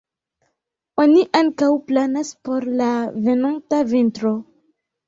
Oni ankaŭ planas por la venonta vintro.